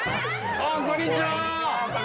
ああこんにちは。